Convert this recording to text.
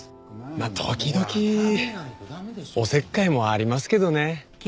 まあ時々お節介もありますけどね。